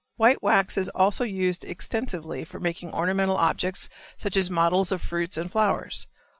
White wax is also used extensively for making ornamental objects such as models of fruits and flowers.